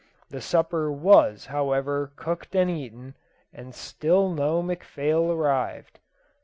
The supper was, however, cooked and eaten, but still no McPhail arrived.